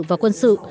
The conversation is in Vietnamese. và quân sự